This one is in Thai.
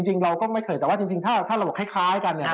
จริงเราก็ไม่เคยแต่ว่าจริงถ้าเราบอกคล้ายกันเนี่ย